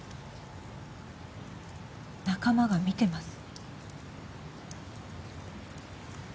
仲間が見てます